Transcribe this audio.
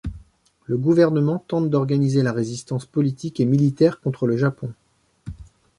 Le gouvernement tente d'organiser la résistance politique et militaire contre le Japon.